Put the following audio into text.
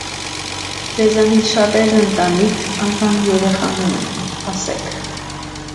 Ձեզանից շատերն ընտանիք, անգամ երեխաներ ունեն, ասեք։